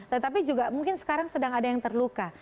tetapi juga mungkin sekarang sedang ada yang terluka